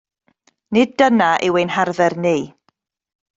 Nid dyna yw ein harfer ni.